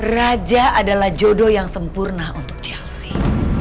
raja adalah jodoh yang sempurna untuk chelsea